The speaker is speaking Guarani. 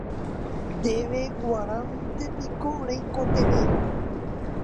Ndéve g̃uarãntepiko reikotevẽ.